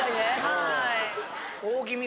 はい。